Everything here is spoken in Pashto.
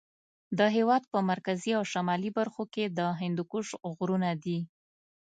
د هېواد په مرکزي او شمالي برخو کې د هندوکش غرونه دي.